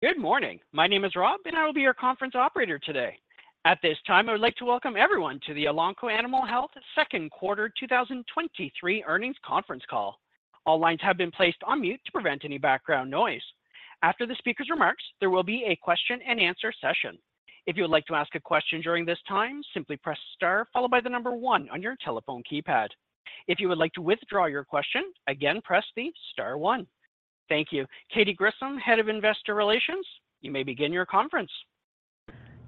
Good morning. My name is Rob, and I will be your conference operator today. At this time, I would like to welcome everyone to the Elanco Animal Health Second Quarter 2023 Earnings Conference Call. All lines have been placed on mute to prevent any background noise. After the speaker's remarks, there will be a question-and-answer session. If you would like to ask a question during this time, simply press star followed by one on your telephone keypad. If you would like to withdraw your question, again, press the star one. Thank you. Katy Grissom, Head of Investor Relations, you may begin your conference.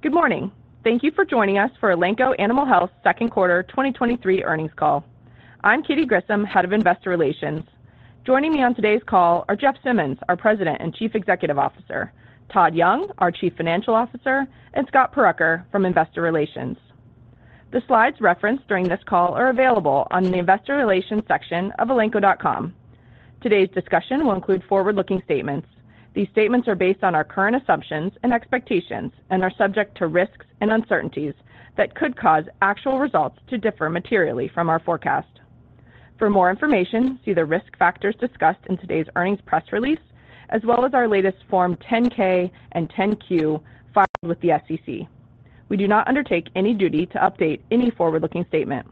Good morning. Thank you for joining us for Elanco Animal Health Second Quarter 2023 Earnings call. I'm Katy Grissom, Head of Investor Relations. Joining me on today's call are Jeff Simmons, our President and Chief Executive Officer, Todd Young, our Chief Financial Officer, and Scott Prucka from Investor Relations. The slides referenced during this call are available on the Investor Relations section of elanco.com. Today's discussion will include forward-looking statements. These statements are based on our current assumptions and expectations and are subject to risks and uncertainties that could cause actual results to differ materially from our forecast. For more information, see the risk factors discussed in today's earnings press release, as well as our latest Form 10-K and 10-Q filed with the SEC. We do not undertake any duty to update any forward-looking statement.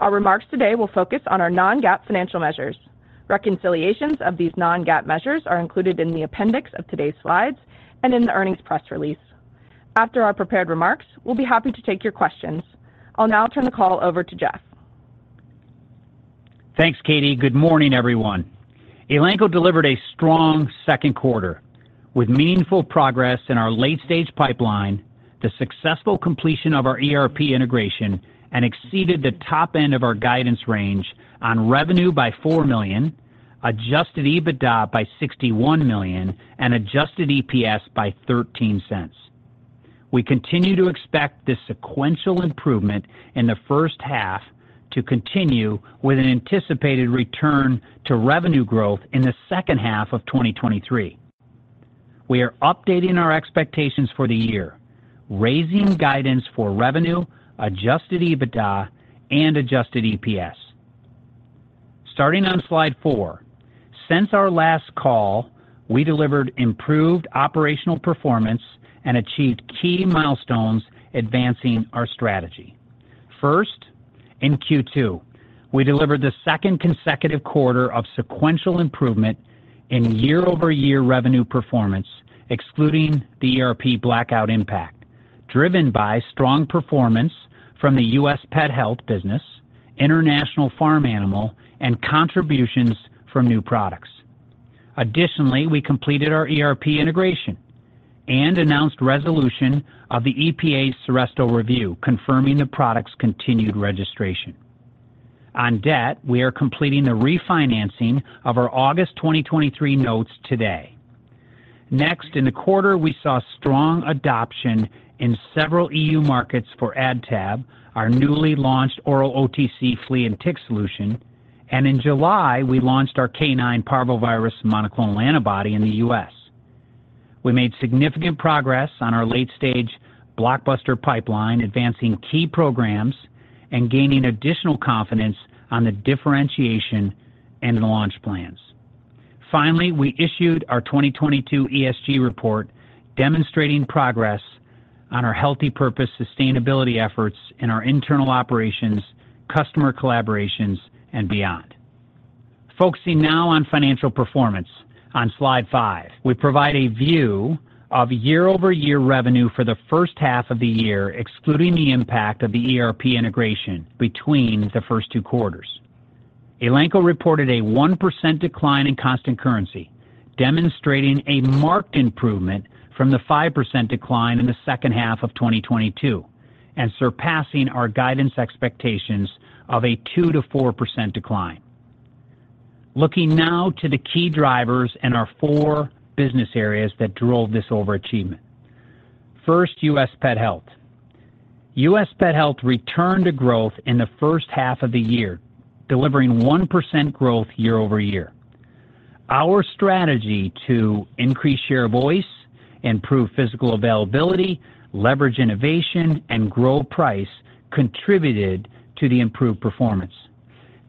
Our remarks today will focus on our non-GAAP financial measures. Reconciliations of these non-GAAP measures are included in the appendix of today's slides and in the earnings press release. After our prepared remarks, we'll be happy to take your questions. I'll now turn the call over to Jeff. Thanks, Katy. Good morning, everyone. Elanco delivered a strong second quarter with meaningful progress in our late-stage pipeline, the successful completion of our ERP integration, and exceeded the top end of our guidance range on revenue by $4 million, Adjusted EBITDA by $61 million, and Adjusted EPS by $0.13. We continue to expect this sequential improvement in the first half to continue with an anticipated return to revenue growth in the second half of 2023. We are updating our expectations for the year, raising guidance for revenue, Adjusted EBITDA, and Adjusted EPS. Starting on Slide four. Since our last call, we delivered improved operational performance and achieved key milestones advancing our strategy. In Q2, we delivered the second consecutive quarter of sequential improvement in year-over-year revenue performance, excluding the ERP blackout impact, driven by strong performance from the U.S. Pet Health business, International Farm Animal, and contributions from new products. We completed our ERP integration and announced resolution of the EPA's Seresto review, confirming the product's continued registration. On debt, we are completing the refinancing of our August 2023 notes today. In the quarter, we saw strong adoption in several E.U. markets for AdTab, our newly launched oral OTC flea and tick solution, and in July, we launched our canine parvovirus monoclonal antibody in the U.S. We made significant progress on our late-stage blockbuster pipeline, advancing key programs and gaining additional confidence on the differentiation and the launch plans. Finally, we issued our 2022 ESG report, demonstrating progress on our Healthy Purpose sustainability efforts in our internal operations, customer collaborations, and beyond. Focusing now on financial performance. On Slide five, we provide a view of year-over-year revenue for the first half of the year, excluding the impact of the ERP integration between the first two quarters. Elanco reported a 1% decline in constant currency, demonstrating a marked improvement from the 5% decline in the second half of 2022 and surpassing our guidance expectations of a 2%-4% decline. Looking now to the key drivers in our four business areas that drove this overachievement. First, U.S. Pet Health. U.S. Pet Health returned to growth in the first half of the year, delivering 1% growth year-over-year. Our strategy to increase share voice, improve physical availability, leverage innovation, and grow price contributed to the improved performance.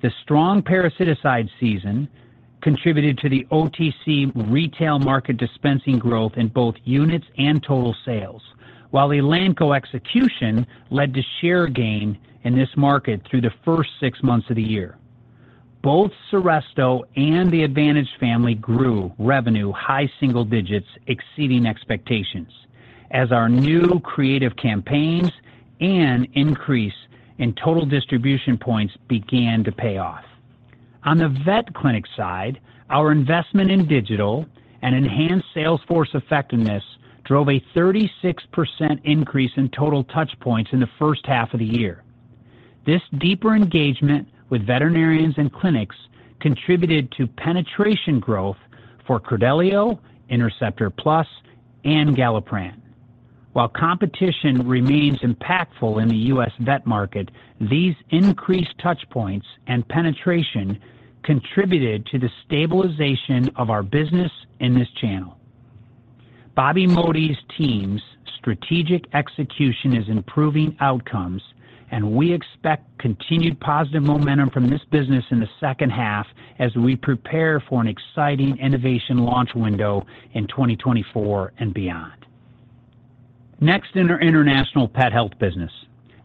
The strong parasiticide season contributed to the OTC retail market dispensing growth in both units and total sales, while Elanco execution led to share gain in this market through the first six months of the year. Both Seresto and the Advantage family grew revenue high single digits, exceeding expectations as our new creative campaigns and increase in total distribution points began to pay off. On the vet clinic side, our investment in digital and enhanced sales force effectiveness drove a 36% increase in total touch points in the first half of the year. This deeper engagement with veterinarians and clinics contributed to penetration growth for Credelio, Interceptor Plus, and Galliprant. While competition remains impactful in the U.S. vet market, these increased touch points and penetration contributed to the stabilization of our business in this channel. Bobby Modi's team's strategic execution is improving outcomes. We expect continued positive momentum from this business in the second half as we prepare for an exciting innovation launch window in 2024 and beyond. Next, in our International Pet Health business.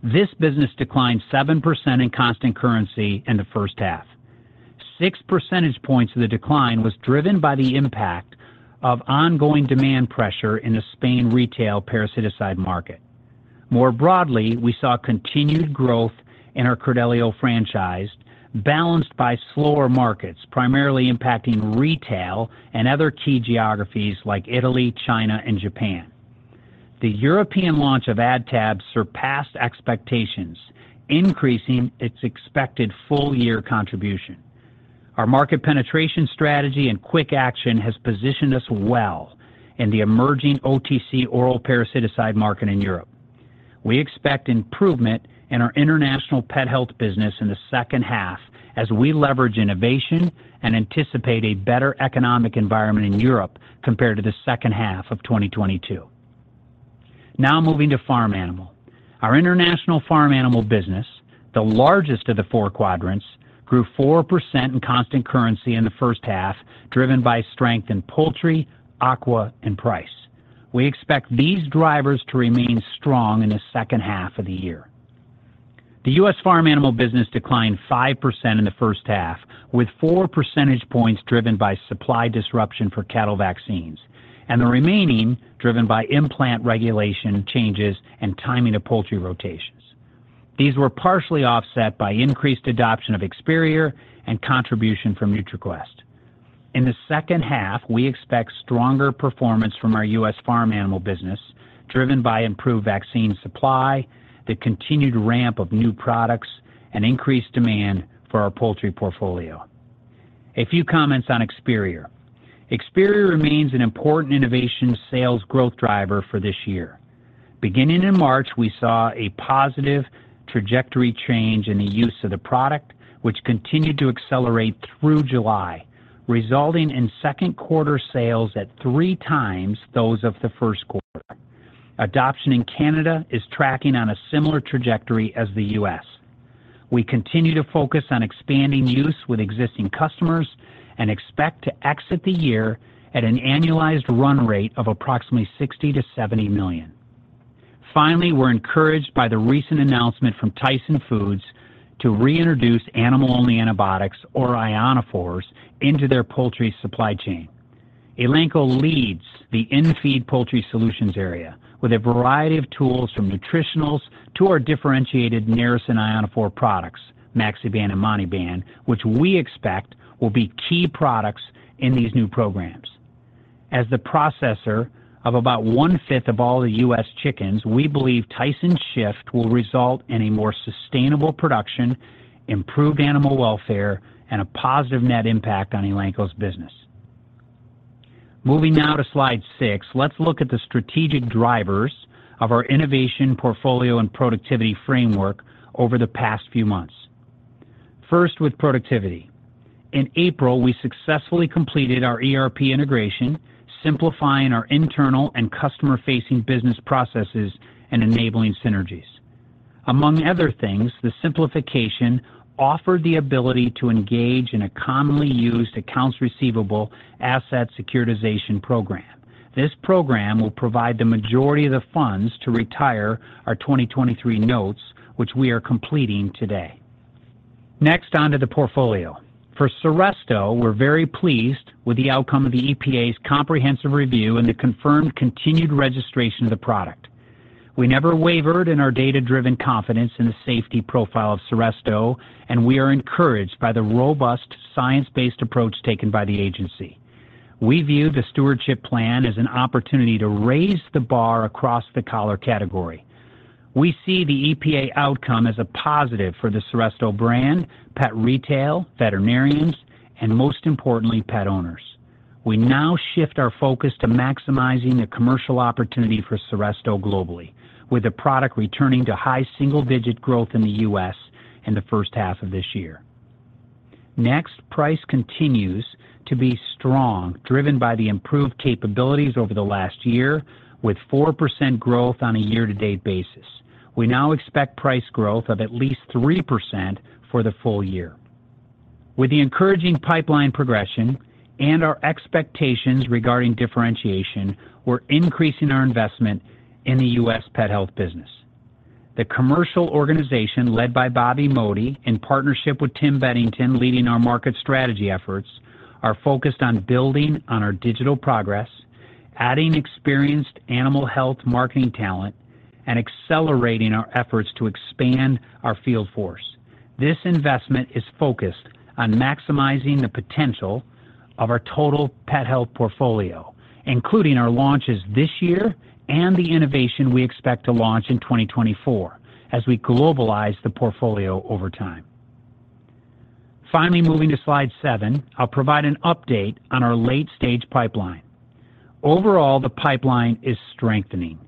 This business declined 7% in constant currency in the first half. 6 percentage points of the decline was driven by the impact of ongoing demand pressure in the Spain retail parasiticide market. More broadly, we saw continued growth in our Credelio franchise, balanced by slower markets, primarily impacting retail and other key geographies like Italy, China, and Japan. The European launch of AdTab surpassed expectations, increasing its expected full-year contribution. Our market penetration strategy and quick action has positioned us well in the emerging OTC oral parasiticide market in Europe. We expect improvement in our International Pet Health business in the second half as we leverage innovation and anticipate a better economic environment in Europe compared to the second half of 2022. Now moving to Farm Animal. Our International Farm Animal business, the largest of the four quadrants, grew 4% in constant currency in the first half, driven by strength in poultry, aqua, and price. We expect these drivers to remain strong in the second half of the year. The U.S. Farm Animal business declined 5% in the first half, with 4 percentage points driven by supply disruption for cattle vaccines, and the remaining driven by implant regulation changes and timing of poultry rotations. These were partially offset by increased adoption of Experior and contribution from NutriQuest. In the second half, we expect stronger performance from our U.S. Farm Animal business, driven by improved vaccine supply, the continued ramp of new products, and increased demand for our poultry portfolio. A few comments on Experior. Experior remains an important innovation sales growth driver for this year. Beginning in March, we saw a positive trajectory change in the use of the product, which continued to accelerate through July, resulting in second quarter sales at 3x those of the first quarter. Adoption in Canada is tracking on a similar trajectory as the U.S. We continue to focus on expanding use with existing customers and expect to exit the year at an annualized run rate of approximately $60 million-$70 million. Finally, we're encouraged by the recent announcement from Tyson Foods to reintroduce animal-only antibiotics, or ionophores, into their poultry supply chain. Elanco leads the in-feed poultry solutions area with a variety of tools, from nutritionals to our differentiated Narasin ionophore products, Maxiban and Monteban, which we expect will be key products in these new programs. As the processor of about 1/5 of all the U.S. chickens, we believe Tyson's shift will result in a more sustainable production, improved animal welfare, and a positive net impact on Elanco's business. Moving now to Slide six, let's look at the strategic drivers of our innovation, portfolio, and productivity framework over the past few months. First, with productivity. In April, we successfully completed our ERP integration, simplifying our internal and customer-facing business processes and enabling synergies. Among other things, the simplification offered the ability to engage in a commonly used accounts receivable asset securitization program. This program will provide the majority of the funds to retire our 2023 notes, which we are completing today. Onto the portfolio. For Seresto, we're very pleased with the outcome of the EPA's comprehensive review and the confirmed continued registration of the product. We never wavered in our data-driven confidence in the safety profile of Seresto, and we are encouraged by the robust, science-based approach taken by the agency. We view the stewardship plan as an opportunity to raise the bar across the collar category. We see the EPA outcome as a positive for the Seresto brand, pet retail, veterinarians, and most importantly, pet owners. We now shift our focus to maximizing the commercial opportunity for Seresto globally, with the product returning to high single-digit growth in the U.S. in the first half of this year. Price continues to be strong, driven by the improved capabilities over the last year, with 4% growth on a year-to-date basis. We now expect price growth of at least 3% for the full year. With the encouraging pipeline progression and our expectations regarding differentiation, we're increasing our investment in the U.S. Pet Health business. The commercial organization, led by Bobby Modi, in partnership with Tim Bettington, leading our market strategy efforts, are focused on building on our digital progress, adding experienced animal health marketing talent, and accelerating our efforts to expand our field force. This investment is focused on maximizing the potential of our total pet health portfolio, including our launches this year and the innovation we expect to launch in 2024 as we globalize the portfolio over time. Moving to Slide seven, I'll provide an update on our late-stage pipeline. Overall, the pipeline is strengthening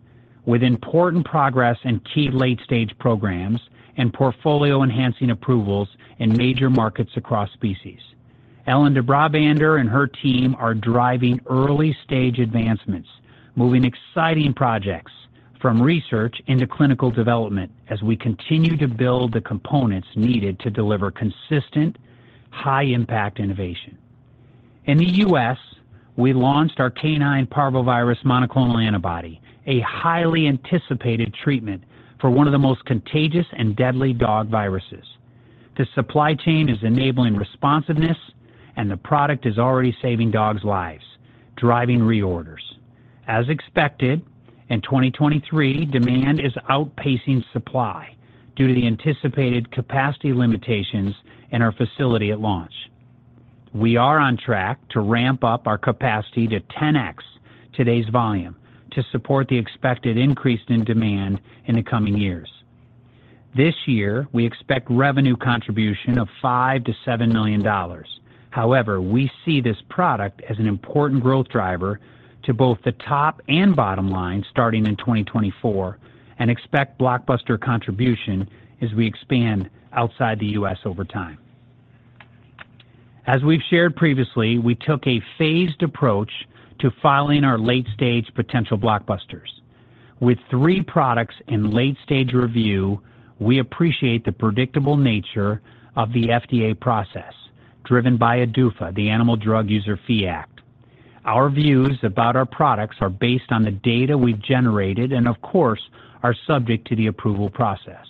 with important progress in key late-stage programs and portfolio-enhancing approvals in major markets across species.... Ellen de Brabander and her team are driving early-stage advancements, moving exciting projects from research into clinical development as we continue to build the components needed to deliver consistent, high-impact innovation. In the U.S., we launched our canine parvovirus monoclonal antibody, a highly anticipated treatment for one of the most contagious and deadly dog viruses. The supply chain is enabling responsiveness, and the product is already saving dogs' lives, driving reorders. As expected, in 2023, demand is outpacing supply due to the anticipated capacity limitations in our facility at launch. We are on track to ramp up our capacity to 10x today's volume to support the expected increase in demand in the coming years. This year, we expect revenue contribution of $5 million-$7 million. However, we see this product as an important growth driver to both the top and bottom line starting in 2024, and expect blockbuster contribution as we expand outside the U.S. over time. As we've shared previously, we took a phased approach to filing our late-stage potential blockbusters. With three products in late-stage review, we appreciate the predictable nature of the FDA process, driven by ADUFA, the Animal Drug User Fee Act. Our views about our products are based on the data we've generated and of course, are subject to the approval process.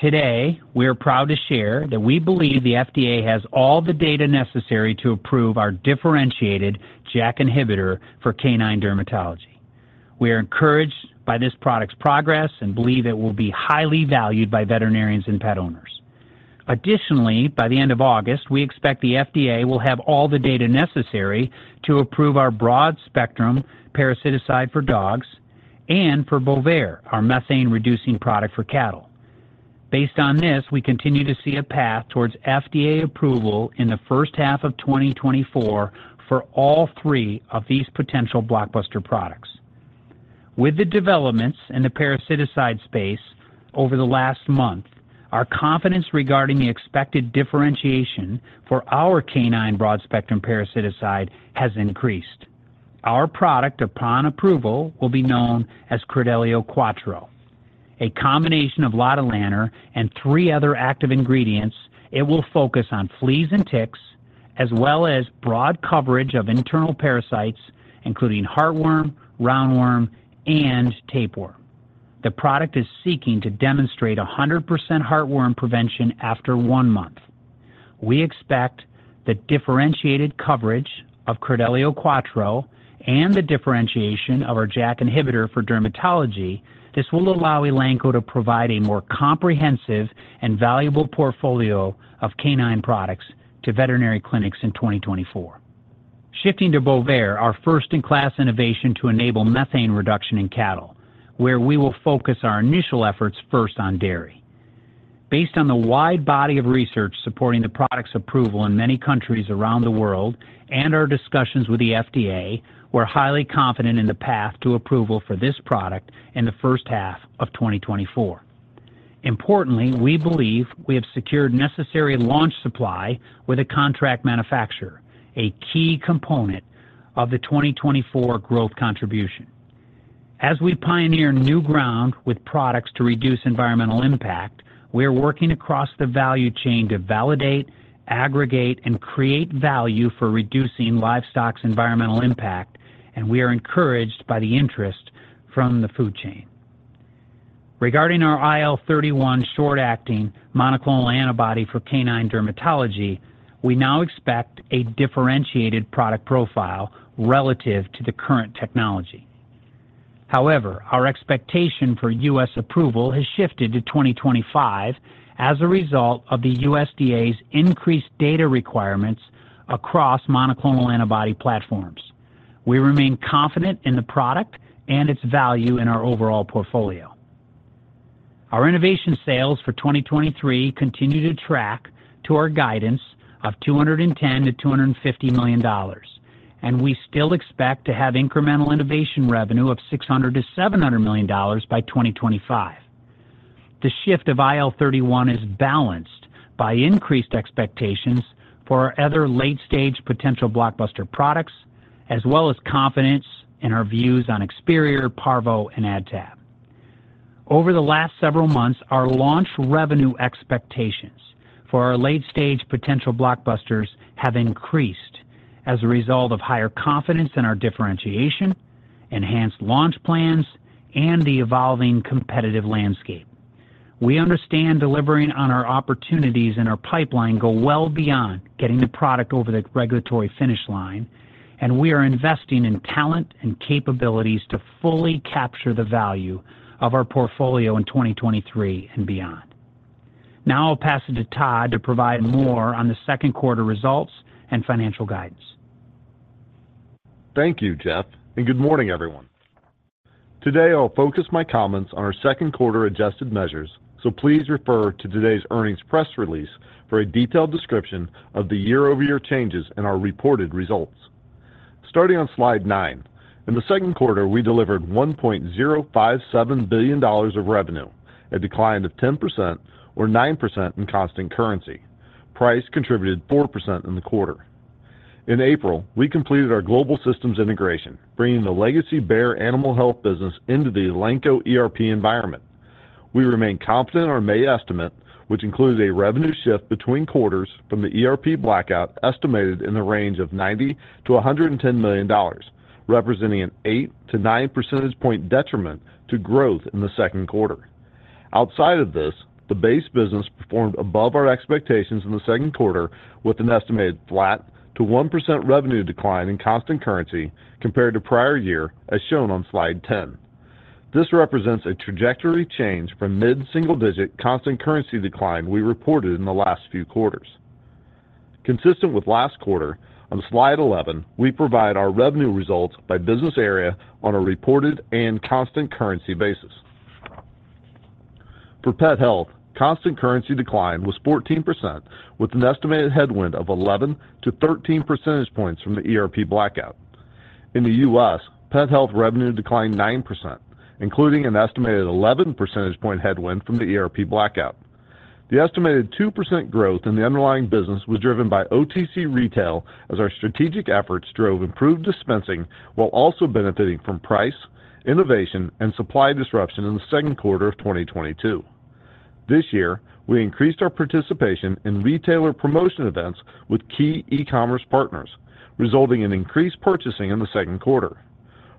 Today, we are proud to share that we believe the FDA has all the data necessary to approve our differentiated JAK inhibitor for canine dermatology. We are encouraged by this product's progress and believe it will be highly valued by veterinarians and pet owners. Additionally, by the end of August, we expect the FDA will have all the data necessary to approve our broad-spectrum parasiticide for dogs and for Bovaer, our methane-reducing product for cattle. Based on this, we continue to see a path towards FDA approval in the first half of 2024 for all three of these potential blockbuster products. With the developments in the parasiticide space over the last month, our confidence regarding the expected differentiation for our canine broad-spectrum parasiticide has increased. Our product, upon approval, will be known as Credelio Quattro. A combination of lotilaner and three other active ingredients, it will focus on fleas and ticks, as well as broad coverage of internal parasites, including heartworm, roundworm, and tapeworm. The product is seeking to demonstrate 100% heartworm prevention after one month. We expect the differentiated coverage of Credelio Quattro and the differentiation of our JAK inhibitor for dermatology. This will allow Elanco to provide a more comprehensive and valuable portfolio of canine products to veterinary clinics in 2024. Shifting to Bovaer, our first-in-class innovation to enable methane reduction in cattle, where we will focus our initial efforts first on dairy. Based on the wide body of research supporting the product's approval in many countries around the world and our discussions with the FDA, we're highly confident in the path to approval for this product in the first half of 2024. Importantly, we believe we have secured necessary launch supply with a contract manufacturer, a key component of the 2024 growth contribution. As we pioneer new ground with products to reduce environmental impact, we are working across the value chain to validate, aggregate, and create value for reducing livestock's environmental impact, we are encouraged by the interest from the food chain. Regarding our IL-31 short-acting monoclonal antibody for canine dermatology, we now expect a differentiated product profile relative to the current technology. However, our expectation for U.S. approval has shifted to 2025 as a result of the USDA's increased data requirements across monoclonal antibody platforms. We remain confident in the product and its value in our overall portfolio. Our innovation sales for 2023 continue to track to our guidance of $210 million-$250 million, we still expect to have incremental innovation revenue of $600 million-$700 million by 2025. The shift of IL-31 is balanced by increased expectations for our other late-stage potential blockbuster products, as well as confidence in our views on Experior, Parvo, and AdTab. Over the last several months, our launch revenue expectations for our late-stage potential blockbusters have increased as a result of higher confidence in our differentiation, enhanced launch plans, and the evolving competitive landscape. We understand delivering on our opportunities and our pipeline go well beyond getting the product over the regulatory finish line, and we are investing in talent and capabilities to fully capture the value of our portfolio in 2023 and beyond. Now I'll pass it to Todd to provide more on the second quarter results and financial guidance. Thank you, Jeff. Good morning, everyone. Today, I'll focus my comments on our second quarter adjusted measures. Please refer to today's earnings press release for a detailed description of the year-over-year changes in our reported results. Starting on Slide nine. In the second quarter, we delivered $1.057 billion of revenue, a decline of 10% or 9% in constant currency. Price contributed 4% in the quarter. In April, we completed our global systems integration, bringing the legacy Bayer Animal Health business into the Elanco ERP environment. We remain confident in our May estimate, which includes a revenue shift between quarters from the ERP blackout, estimated in the range of $90 million-$110 million, representing an 8-9 percentage point detriment to growth in the second quarter. Outside of this, the base business performed above our expectations in the second quarter, with an estimated flat to 1% revenue decline in constant currency compared to prior year, as shown on Slide 10. This represents a trajectory change from mid-single-digit constant currency decline we reported in the last few quarters. Consistent with last quarter, on Slide 11, we provide our revenue results by business area on a reported and constant currency basis. For Pet Health, constant currency decline was 14%, with an estimated headwind of 11-13 percentage points from the ERP blackout. In the U.S., Pet Health revenue declined 9%, including an estimated 11 percentage point headwind from the ERP blackout. The estimated 2% growth in the underlying business was driven by OTC retail as our strategic efforts drove improved dispensing, while also benefiting from price, innovation, and supply disruption in the second quarter of 2022. This year, we increased our participation in retailer promotion events with key e-commerce partners, resulting in increased purchasing in the second quarter.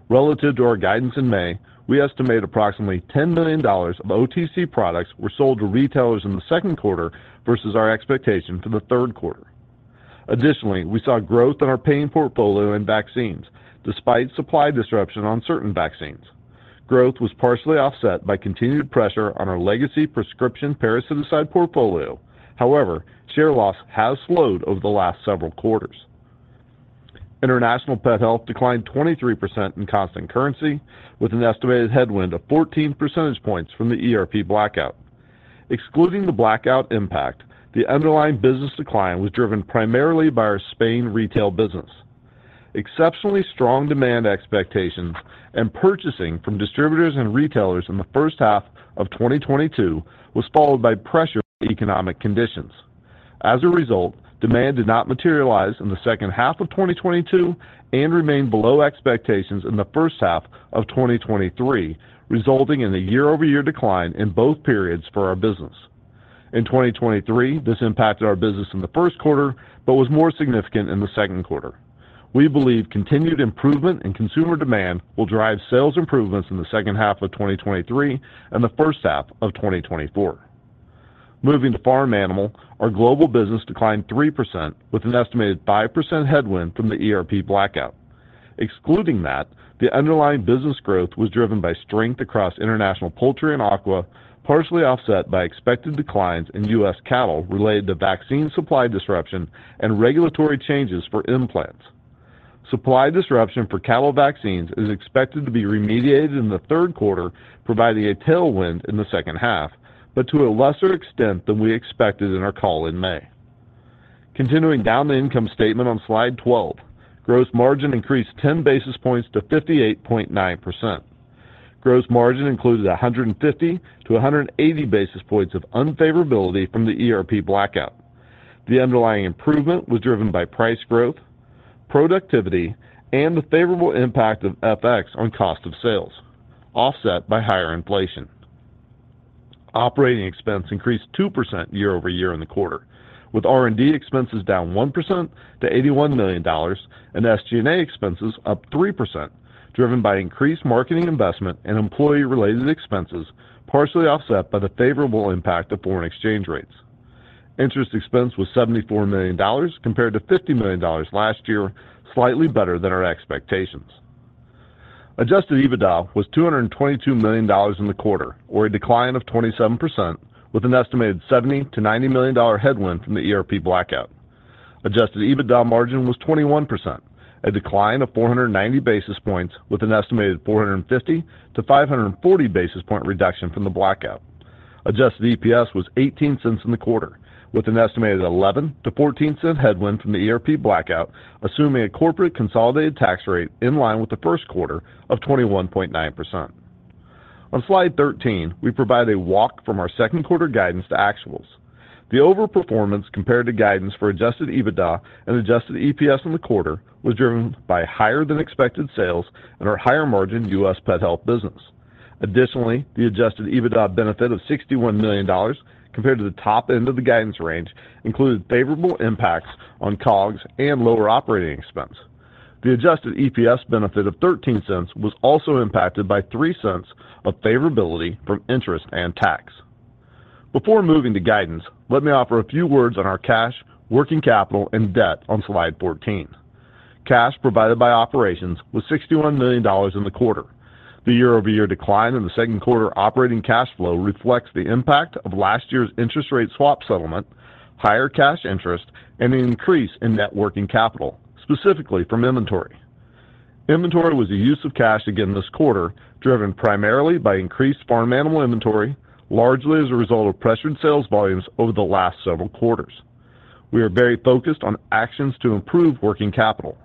Relative to our guidance in May, we estimate approximately $10 million of OTC products were sold to retailers in the second quarter versus our expectation for the third quarter. We saw growth in our paying portfolio and vaccines, despite supply disruption on certain vaccines. Growth was partially offset by continued pressure on our legacy prescription parasiticide portfolio. Share loss has slowed over the last several quarters. International Pet Health declined 23% in constant currency, with an estimated headwind of 14 percentage points from the ERP blackout. Excluding the blackout impact, the underlying business decline was driven primarily by our Spain retail business. Exceptionally strong demand expectations and purchasing from distributors and retailers in the first half of 2022 was followed by pressure from economic conditions. As a result, demand did not materialize in the second half of 2022 and remained below expectations in the first half of 2023, resulting in a year-over-year decline in both periods for our business. In 2023, this impacted our business in the first quarter but was more significant in the second quarter. We believe continued improvement in consumer demand will drive sales improvements in the second half of 2023 and the first half of 2024. Moving to Farm Animal, our global business declined 3% with an estimated 5% headwind from the ERP blackout. Excluding that, the underlying business growth was driven by strength across international poultry and aqua, partially offset by expected declines in U.S. cattle related to vaccine supply disruption and regulatory changes for implants. Supply disruption for cattle vaccines is expected to be remediated in the third quarter, providing a tailwind in the second half, but to a lesser extent than we expected in our call in May. Continuing down the income statement on Slide 12, gross margin increased 10 basis points to 58.9%. Gross margin included 150 to 180 basis points of unfavorability from the ERP blackout. The underlying improvement was driven by price growth, productivity, and the favorable impact of FX on cost of sales, offset by higher inflation. Operating expense increased 2% year-over-year in the quarter, with R&D expenses down 1% to $81 million and SG&A expenses up 3%, driven by increased marketing investment and employee-related expenses, partially offset by the favorable impact of foreign exchange rates. Interest expense was $74 million, compared to $50 million last year, slightly better than our expectations. Adjusted EBITDA was $222 million in the quarter, or a decline of 27%, with an estimated $70 million-$90 million headwind from the ERP blackout. Adjusted EBITDA margin was 21%, a decline of 490 basis points, with an estimated 450-540 basis point reduction from the blackout. Adjusted EPS was $0.18 in the quarter, with an estimated $0.11-$0.14 headwind from the ERP blackout, assuming a corporate consolidated tax rate in line with the first quarter of 21.9%. On Slide 13, we provide a walk from our second quarter guidance to actuals. The overperformance compared to guidance for Adjusted EBITDA and Adjusted EPS in the quarter was driven by higher-than-expected sales in our higher-margin U.S. Pet Health business. Additionally, the Adjusted EBITDA benefit of $61 million compared to the top end of the guidance range included favorable impacts on COGS and lower operating expense. The Adjusted EPS benefit of $0.13 was also impacted by $0.03 of favorability from interest and tax. Before moving to guidance, let me offer a few words on our cash, working capital, and debt on Slide 14. Cash provided by operations was $61 million in the quarter. The year-over-year decline in the second quarter operating cash flow reflects the impact of last year's interest rate swap settlement, higher cash interest, and an increase in net working capital, specifically from inventory. Inventory was a use of cash again this quarter, driven primarily by increased farm animal inventory, largely as a result of pressured sales volumes over the last several quarters. We are very focused on actions to improve working capital.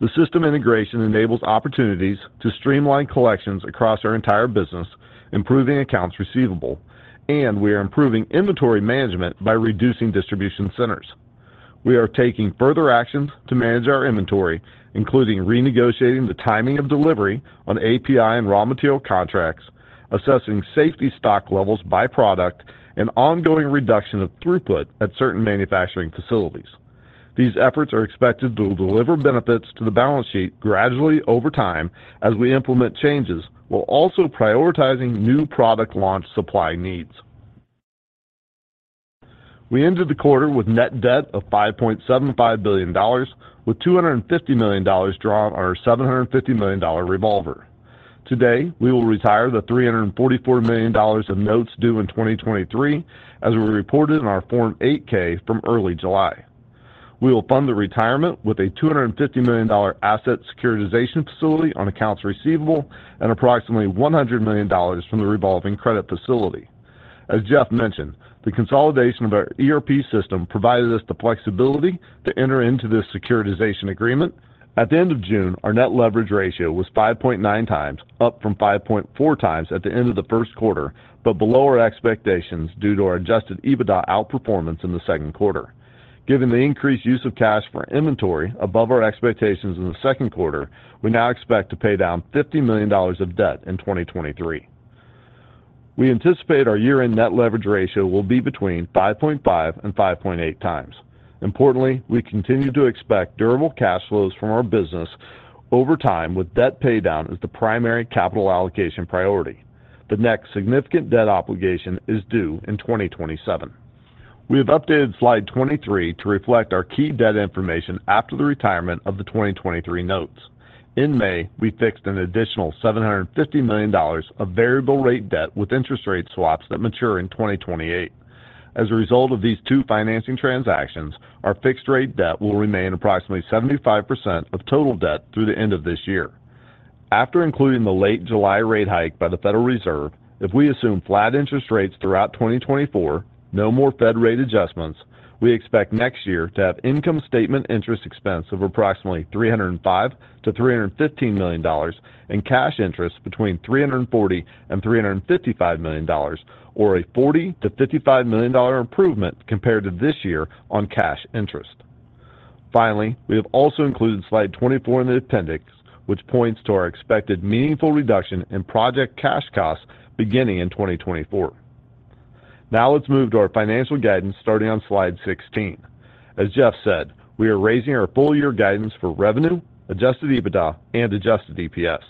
The system integration enables opportunities to streamline collections across our entire business, improving accounts receivable, and we are improving inventory management by reducing distribution centers. We are taking further actions to manage our inventory, including renegotiating the timing of delivery on API and raw material contracts, assessing safety stock levels by product, and ongoing reduction of throughput at certain manufacturing facilities. These efforts are expected to deliver benefits to the balance sheet gradually over time as we implement changes, while also prioritizing new product launch supply needs. We ended the quarter with net debt of $5.75 billion, with $250 million drawn on our $750 million revolver. Today, we will retire the $344 million of notes due in 2023, as we reported in our Form 8-K from early July. We will fund the retirement with a $250 million asset securitization facility on accounts receivable and approximately $100 million from the revolving credit facility. As Jeff mentioned, the consolidation of our ERP system provided us the flexibility to enter into this securitization agreement. At the end of June, our net leverage ratio was 5.9x, up from 5.4x at the end of the first quarter, but below our expectations due to our Adjusted EBITDA outperformance in the 2Q. Given the increased use of cash for inventory above our expectations in the 2Q, we now expect to pay down $50 million of debt in 2023. We anticipate our year-end net leverage ratio will be between 5.5x and 5.8x. Importantly, we continue to expect durable cash flows from our business over time, with debt paydown as the primary capital allocation priority. The next significant debt obligation is due in 2027. We have updated Slide 23 to reflect our key debt information after the retirement of the 2023 notes. In May, we fixed an additional $750 million of variable rate debt with interest rate swaps that mature in 2028. As a result of these two financing transactions, our fixed rate debt will remain approximately 75% of total debt through the end of this year. After including the late July rate hike by the Federal Reserve, if we assume flat interest rates throughout 2024, no more Fed rate adjustments, we expect next year to have income statement interest expense of approximately $305 million-$315 million, and cash interest between $340 million and $355 million, or a $40 million-$55 million improvement compared to this year on cash interest. Finally, we have also included Slide 24 in the appendix, which points to our expected meaningful reduction in project cash costs beginning in 2024. Now let's move to our financial guidance, starting on Slide 16. As Jeff said, we are raising our full year guidance for revenue, Adjusted EBITDA, and Adjusted EPS.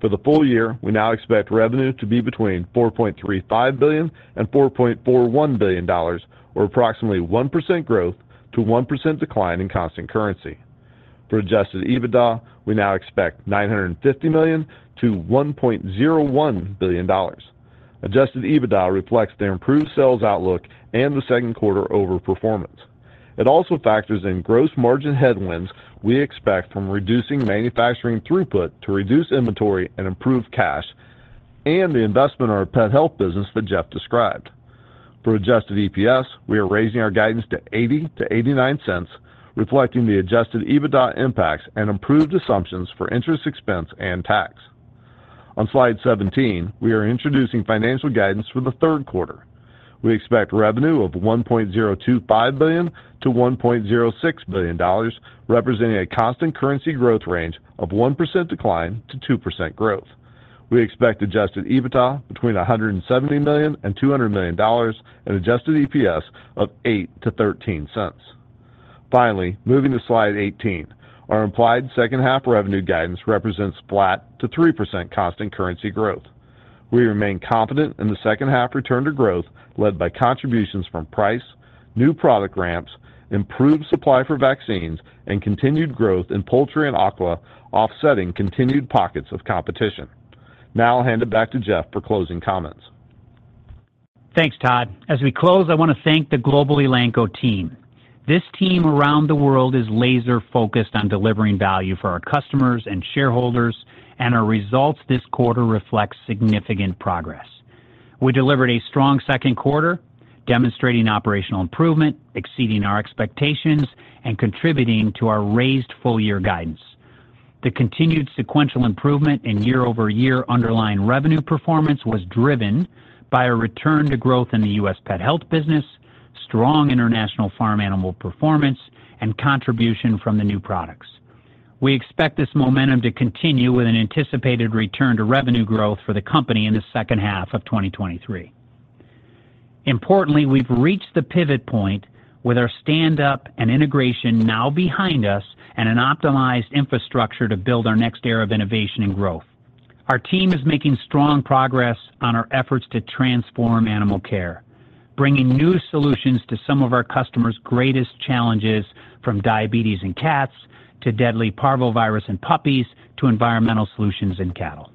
For the full year, we now expect revenue to be between $4.35 billion and $4.41 billion, or approximately 1% growth to 1% decline in constant currency. For Adjusted EBITDA, we now expect $950 million-$1.01 billion. Adjusted EBITDA reflects the improved sales outlook and the second quarter over performance. It also factors in gross margin headwinds we expect from reducing manufacturing throughput to reduce inventory and improve cash, and the investment in our pet health business that Jeff described. For Adjusted EPS, we are raising our guidance to $0.80-$0.89, reflecting the Adjusted EBITDA impacts and improved assumptions for interest expense and tax. On Slide 17, we are introducing financial guidance for Q3. We expect revenue of $1.025 billion-$1.06 billion, representing a constant currency growth range of 1% decline to 2% growth. We expect Adjusted EBITDA between $170 million and $200 million and Adjusted EPS of $0.08-$0.13. Finally, moving to Slide 18, our implied second half revenue guidance represents flat to 3% constant currency growth. We remain confident in the second half return to growth, led by contributions from price, new product ramps, improved supply for vaccines, and continued growth in poultry and aqua, offsetting continued pockets of competition. Now I'll hand it back to Jeff for closing comments. Thanks, Todd. As we close, I want to thank the global Elanco team. This team around the world is laser-focused on delivering value for our customers and shareholders, and our results this quarter reflects significant progress. We delivered a strong second quarter, demonstrating operational improvement, exceeding our expectations, and contributing to our raised full year guidance. The continued sequential improvement in year-over-year underlying revenue performance was driven by a return to growth in the U.S. Pet Health business, strong International Farm Animal performance, and contribution from the new products. We expect this momentum to continue with an anticipated return to revenue growth for the company in the second half of 2023. Importantly, we've reached the pivot point with our stand-up and integration now behind us and an optimized infrastructure to build our next era of innovation and growth. Our team is making strong progress on our efforts to transform animal care, bringing new solutions to some of our customers' greatest challenges, from diabetes in cats to deadly Parvo virus in puppies, to environmental solutions in cattle.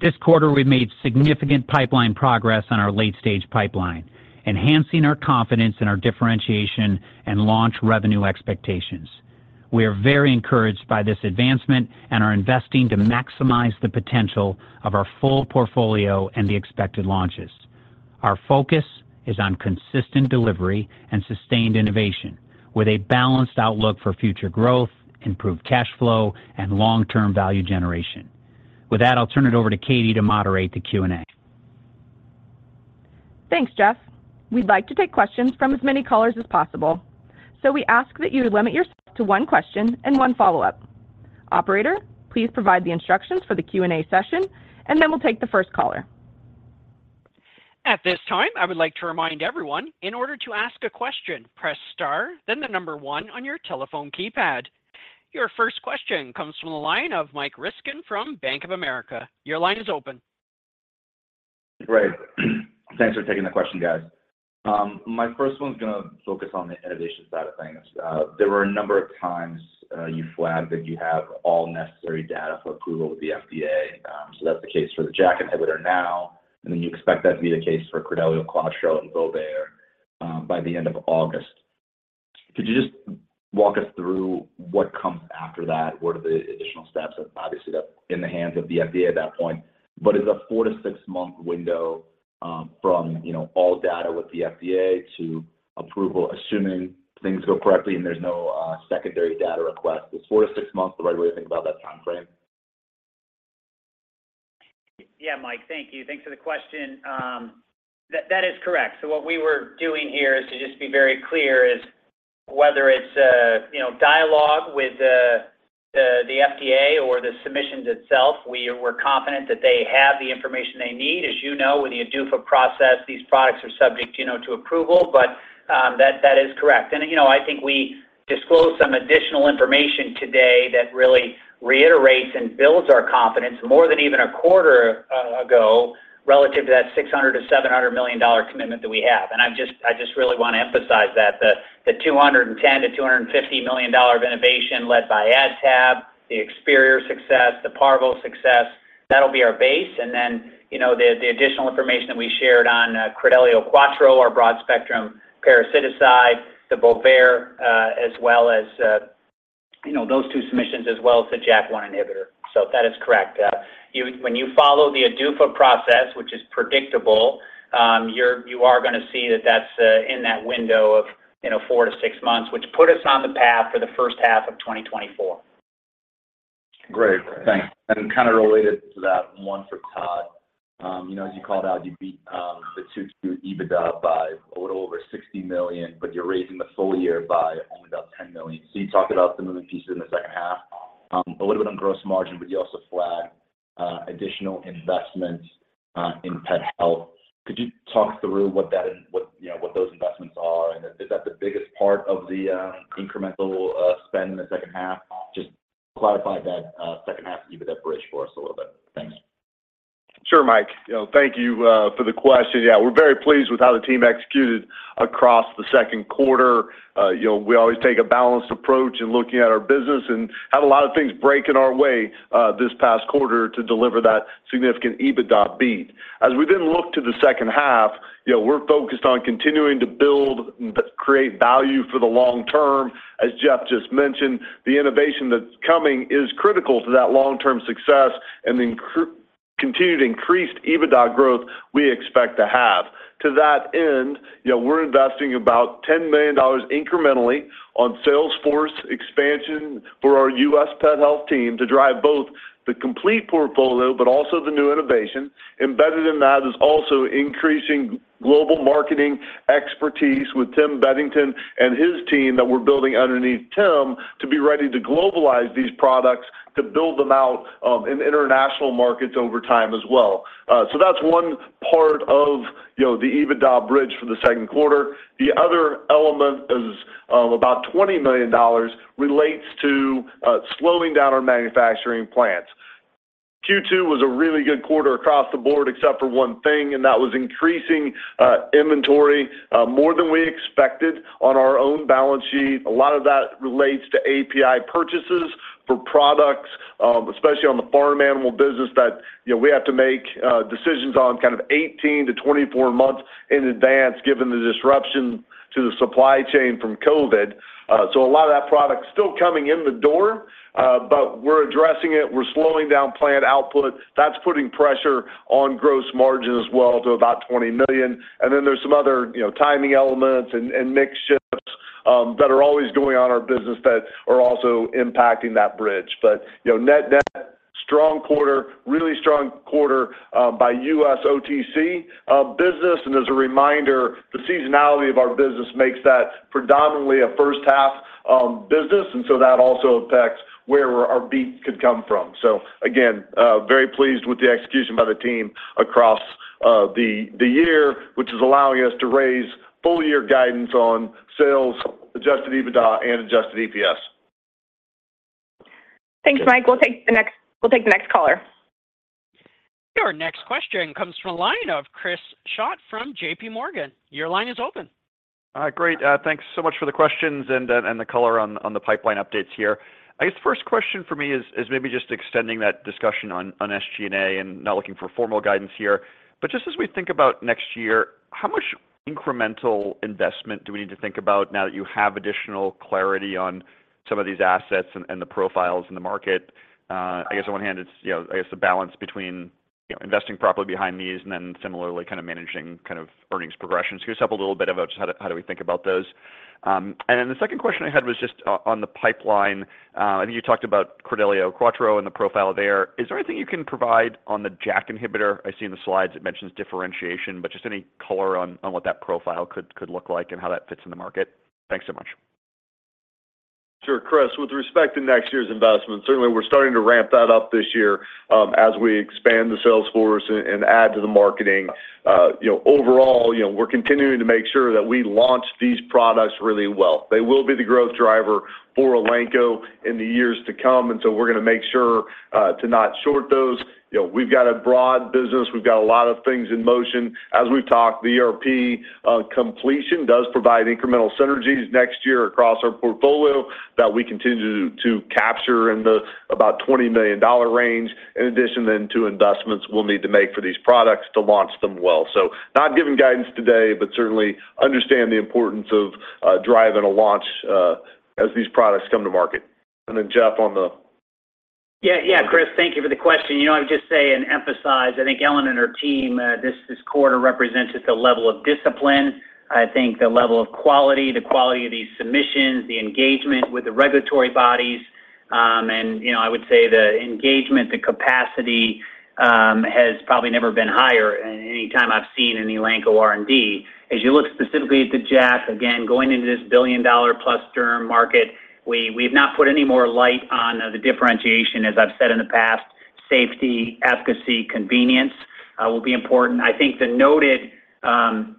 This quarter, we've made significant pipeline progress on our late-stage pipeline, enhancing our confidence in our differentiation and launch revenue expectations. We are very encouraged by this advancement and are investing to maximize the potential of our full portfolio and the expected launches. Our focus is on consistent delivery and sustained innovation, with a balanced outlook for future growth, improved cash flow, and long-term value generation. With that, I'll turn it over to Katy to moderate the Q&A. Thanks, Jeff. We'd like to take questions from as many callers as possible, so we ask that you limit yourself to one question and one follow-up. Operator, please provide the instructions for the Q&A session, then we'll take the first caller. At this time, I would like to remind everyone, in order to ask a question, press star, then the number one on your telephone keypad. Your first question comes from the line of Michael Ryskin from Bank of America. Your line is open. Great. Thanks for taking the question, guys. My first one's gonna focus on the innovation side of things. There were a number of times, you flagged that you have all necessary data for approval with the FDA. That's the case for the JAK inhibitor now, and then you expect that to be the case for Credelio Quattro and Bovaer by the end of August. Could you just walk us through what comes after that? What are the additional steps? Obviously, they're in the hands of the FDA at that point, but is a four-to-six-month window, from, you know, all data with the FDA to approval, assuming things go correctly and there's no secondary data request. Is four to six months the right way to think about that time frame? Yeah, Mike, thank you. Thanks for the question. That, that is correct. What we were doing here is to just be very clear, is whether it's, you know, dialogue with the FDA or the submissions itself, we're confident that they have the information they need. As you know, with the ADUFA process, these products are subject, you know, to approval, but that, that is correct. You know, I think we disclosed some additional information today that really reiterates and builds our confidence more than even a quarter ago, relative to that $600 million-$700 million commitment that we have. I just really want to emphasize that. The $210 million-$250 million of innovation led by AdTab, the Experior success, the Parvo success, that'll be our base. Then, you know, the, the additional information that we shared on Credelio Quattro, our broad-spectrum parasiticide, the Bovaer, as well as, you know, those two submissions, as well as the JAK1 inhibitor. So that is correct. When you follow the ADUFA process, which is predictable, you're, you are gonna see that that's in that window of, you know, four to six months, which put us on the path for the first half of 2024. Great. Thanks. Kind of related to that one for Todd. You know, as you called out, you beat the two to EBITDA by a little over $60 million, but you're raising the full year by only about $10 million. You talked about the moving pieces in the second half, a little bit on gross margin, but you also flagged additional investments in pet health. Could you talk through what that is, what, you know, what those investments are, and is that the biggest part of the incremental spend in the second half? Just clarify that second half EBITDA bridge for us a little bit. Thanks. Sure, Mike. You know, thank you for the question. Yeah, we're very pleased with how the team executed across the second quarter. You know, we always take a balanced approach in looking at our business and had a lot of things break in our way this past quarter to deliver that significant EBITDA beat. As we then look to the second half, you know, we're focused on continuing to build, but create value for the long term. As Jeff just mentioned, the innovation that's coming is critical to that long-term success and the continued increased EBITDA growth we expect to have. To that end, you know, we're investing about $10 million incrementally on sales force expansion for our U.S. Pet Health team to drive both the complete portfolio, but also the new innovation. Embedded in that is also increasing global marketing expertise with Tim Bettington and his team that we're building underneath Tim to be ready to globalize these products, to build them out in international markets over time as well. That's one part of, you know, the EBITDA bridge for the second quarter. The other element is, about $20 million, relates to slowing down our manufacturing plants. Q2 was a really good quarter across the board, except for one thing, and that was increasing inventory more than we expected on our own balance sheet. A lot of that relates to API purchases for products, especially on the farm animal business, that, you know, we have to make decisions on kind of 18-24 months in advance, given the disruption to the supply chain from COVID. A lot of that product is still coming in the door, but we're addressing it. We're slowing down plant output. That's putting pressure on gross margin as well to about $20 million. Then there's some other, you know, timing elements and, and mix shifts that are always going on our business that are also impacting that bridge. You know, net-net, strong quarter, really strong quarter, by U.S. OTC business. As a reminder, the seasonality of our business makes that predominantly a first half business, and so that also affects where our beat could come from. Again, very pleased with the execution by the team across the year, which is allowing us to raise full year guidance on sales, Adjusted EBITDA, and Adjusted EPS. Thanks, Mike. We'll take the next caller. Your next question comes from the line of Chris Schott from JPMorgan. Your line is open. Great. Thanks so much for the questions and the, and the color on, on the pipeline updates here. I guess the first question for me is, is maybe just extending that discussion on, on SG&A and not looking for formal guidance here. Just as we think about next year, how much incremental investment do we need to think about now that you have additional clarity on some of these assets and, and the profiles in the market? I guess on one hand, it's, you know, I guess the balance between, you know, investing properly behind these, and then similarly, kind of managing kind of earnings progressions. Can you just help a little bit about just how do, how do we think about those? Then the second question I had was just on the pipeline. I think you talked about Credelio Quattro and the profile there. Is there anything you can provide on the JAK inhibitor? I see in the slides it mentions differentiation, but just any color on, on what that profile could, could look like and how that fits in the market. Thanks so much. Sure, Chris. With respect to next year's investment, certainly we're starting to ramp that up this year, as we expand the sales force and add to the marketing. You know, overall, you know, we're continuing to make sure that we launch these products really well. They will be the growth driver for Elanco in the years to come, we're gonna make sure to not short those. You know, we've got a broad business, we've got a lot of things in motion. As we've talked, the ERP completion does provide incremental synergies next year across our portfolio that we continue to capture in the about $20 million range, in addition to investments we'll need to make for these products to launch them well. Not giving guidance today, but certainly understand the importance of driving a launch as these products come to market. Then, Jeff, on the- Yeah, yeah, Chris, thank you for the question. You know, I would just say and emphasize, I think Ellen and her team, this, this quarter represents the level of discipline, I think the level of quality, the quality of these submissions, the engagement with the regulatory bodies. And, you know, I would say the engagement, the capacity, has probably never been higher in any time I've seen in Elanco R&D. As you look specifically at the JAK, again, going into this $1 billion-plus derm market, we, we've not put any more light on the differentiation. As I've said in the past, safety, efficacy, convenience, will be important. I think the noted,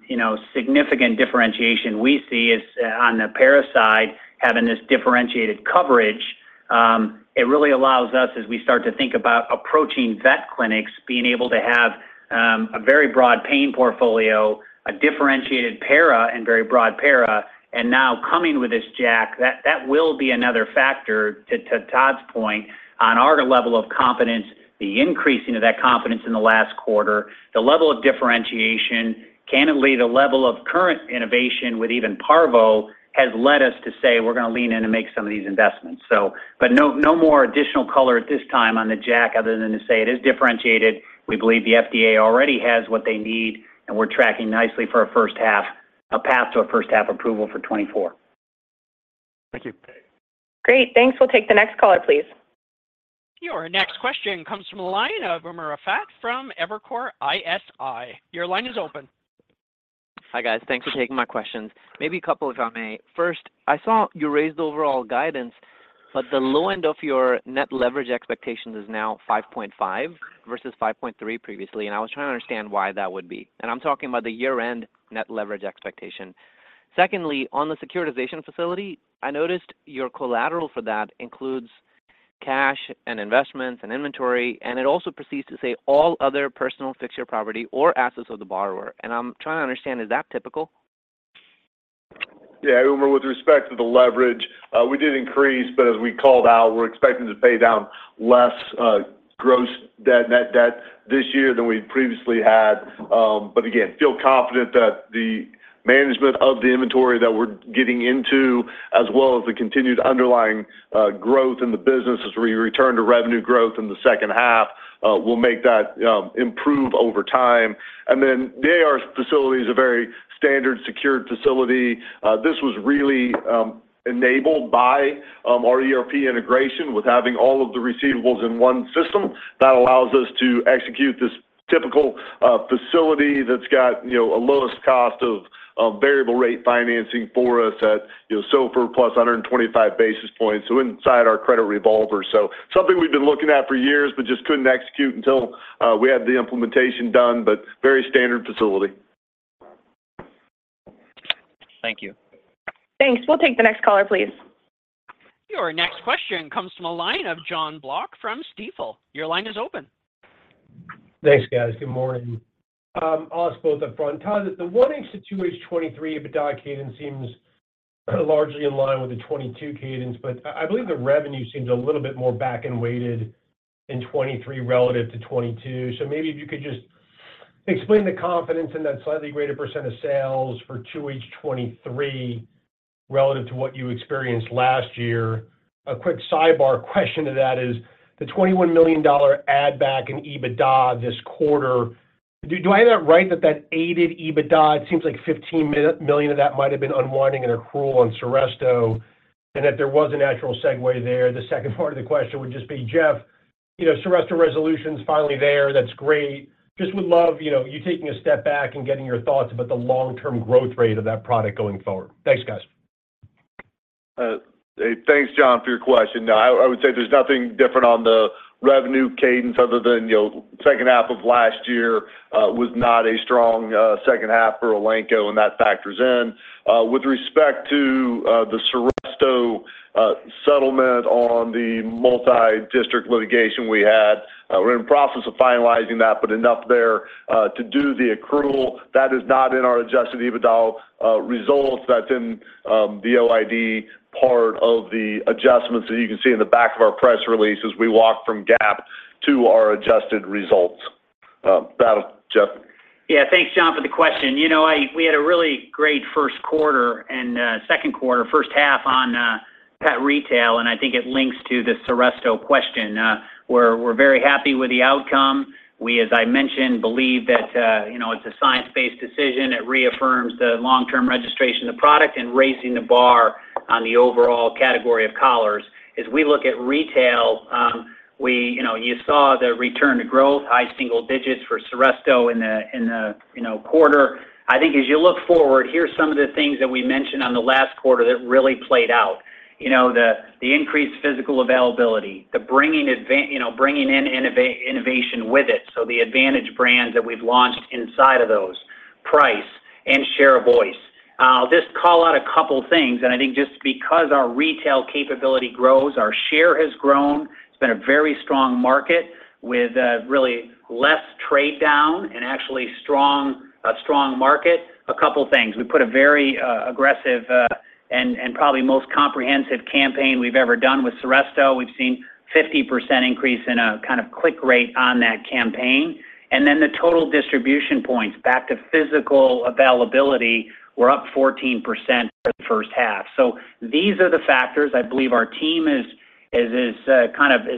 you know, significant differentiation we see is on the para side, having this differentiated coverage, it really allows us, as we start to think about approaching vet clinics, being able to have, a very broad pain portfolio, a differentiated para and very broad para. Now coming with this JAK, that, that will be another factor, to, to Todd's point, on our level of confidence, the increasing of that confidence in the last quarter, the level of differentiation, candidly, the level of current innovation with even Parvo has led us to say: We're gonna lean in and make some of these investments. But no, no more additional color at this time on the JAK other than to say it is differentiated. We believe the FDA already has what they need. We're tracking nicely for a first half, a path to a first-half approval for 2024. Thank you. Great. Thanks. We'll take the next caller, please. Your next question comes from the line of Umer Raffat from Evercore ISI. Your line is open. Hi, guys. Thanks for taking my questions. Maybe a couple, if I may. First, I saw you raised the overall guidance, but the low end of your net leverage expectations is now 5.5 versus 5.3 previously, and I was trying to understand why that would be. I'm talking about the year-end net leverage expectation. Secondly, on the securitization facility, I noticed your collateral for that includes cash and investments and inventory, and it also proceeds to say, "All other personal fixture, property, or assets of the borrower." I'm trying to understand, is that typical? Yeah, Umer, with respect to the leverage, we did increase, but as we called out, we're expecting to pay down less gross debt, net debt this year than we previously had. Again, feel confident that the management of the inventory that we're getting into, as well as the continued underlying growth in the business as we return to revenue growth in the second half, will make that improve over time. The AR facility is a very standard secured facility. This was really enabled by our ERP integration with having all of the receivables in one system. That allows us to execute this typical facility that's got, you know, a lowest cost of variable rate financing for us at, you know, SOFR plus 125 basis points, so inside our credit revolver. Something we've been looking at for years but just couldn't execute until we had the implementation done, but very standard facility. Thank you. Thanks. We'll take the next caller, please. Your next question comes from a line of Jon Block from Stifel. Your line is open. Thanks, guys. Good morning. I'll ask both up front. Todd, the 1H to 2H 2023 EBITDA cadence seems largely in line with the 2022 cadence, but I, I believe the revenue seems a little bit more back-end weighted in 2023 relative to 2022. Maybe if you could just explain the confidence in that slightly greater percet of sales for 2H 2023 relative to what you experienced last year. A quick sidebar question to that is, the $21 million add back in EBITDA this quarter, do, do I have that right that that aided EBITDA? It seems like $15 million of that might have been unwinding in accrual on Seresto, and that there was a natural segue there. The second part of the question would just be, Jeff, you know, Seresto resolution's finally there. That's great. Just would love, you know, you taking a step back and getting your thoughts about the long-term growth rate of that product going forward. Thanks, guys. Hey, thanks, Jon, for your question. Now, I would say there's nothing different on the revenue cadence other than, you know, second half of last year, was not a strong second half for Elanco, and that factors in. With respect to, the Seresto, settlement on the multidistrict litigation we had. We're in the process of finalizing that, but enough there to do the accrual. That is not in our Adjusted EBITDA results. That's in, the OID part of the adjustments that you can see in the back of our press release as we walk from GAAP to our adjusted results. That'll Jeff. Yeah. Thanks, Jon, for the question. You know, I- we had a really great first quarter and, second quarter, first half on, pet retail, and I think it links to the Seresto question. We're, we're very happy with the outcome. We, as I mentioned, believe that, you know, it's a science-based decision. It reaffirms the long-term registration of the product and raising the bar on the overall category of collars. As we look at retail, we- you know, you saw the return to growth, high single digits for Seresto in the, in the, you know, quarter. I think as you look forward, here are some of the things that we mentioned on the last quarter that really played out. You know, the increased physical availability, the bringing innovation with it, the Advantage brands that we've launched inside of those, price and share voice. I'll just call out a couple things. I think just because our retail capability grows, our share has grown. It's been a very strong market with really less trade down and actually strong, a strong market. A couple things. We put a very aggressive and probably most comprehensive campaign we've ever done with Seresto. We've seen 50% increase in a kind of click rate on that campaign. The total distribution points back to physical availability were up 14% for the first half. These are the factors. I believe our team is as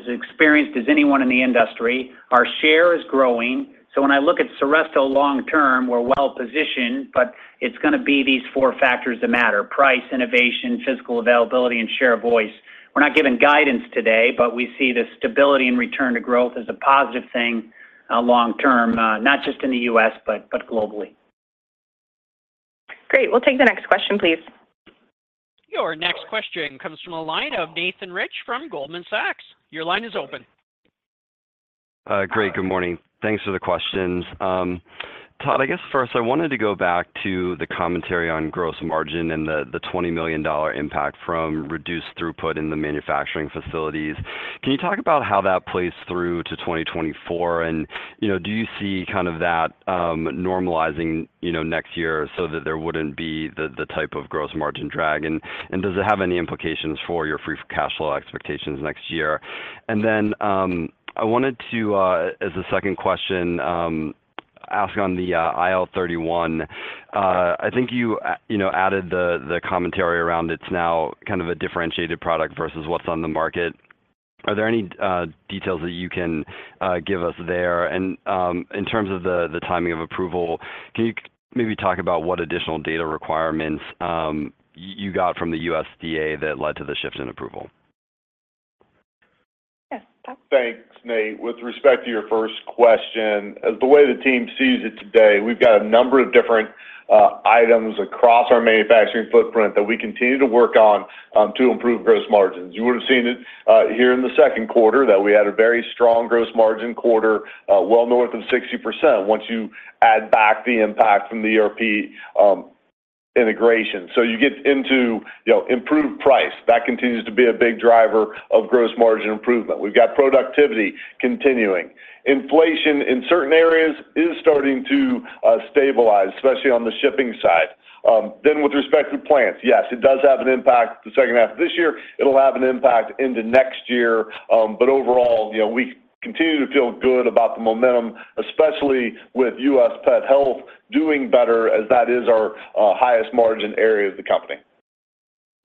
experienced as anyone in the industry. Our share is growing, so when I look at Seresto long term, we're well positioned, but it's gonna be these four factors that matter: price, innovation, physical availability, and share voice. We're not giving guidance today, but we see the stability and return to growth as a positive thing, long term, not just in the U.S., but, but globally. Great. We'll take the next question, please. Your next question comes from the line of Nathan Rich from Goldman Sachs. Your line is open. Great. Good morning. Thanks for the questions. Todd, I guess first I wanted to go back to the commentary on gross margin and the $20 million impact from reduced throughput in the manufacturing facilities. Can you talk about how that plays through to 2024? Do you see kind of that normalizing next year so that there wouldn't be the type of gross margin drag? Does it have any implications for your free cash flow expectations next year? Then, I wanted to, as a second question, ask on the IL-31. I think you added the commentary around it's now kind of a differentiated product versus what's on the market. Are there any details that you can give us there? In terms of the, the timing of approval, can you maybe talk about what additional data requirements you got from the USDA that led to the shift in approval? Yes, Todd. Thanks, Nate. With respect to your first question, as the way the team sees it today, we've got a number of different items across our manufacturing footprint that we continue to work on to improve gross margins. You would have seen it here in the second quarter, that we had a very strong gross margin quarter, well north of 60%, once you add back the impact from the ERP integration. You get into, you know, improved price. That continues to be a big driver of gross margin improvement. We've got productivity continuing. Inflation in certain areas is starting to stabilize, especially on the shipping side. With respect to plants, yes, it does have an impact the second half of this year. It'll have an impact into next year, but overall, you know, we continue to feel good about the momentum, especially with U.S. Pet Health doing better, as that is our highest margin area of the company.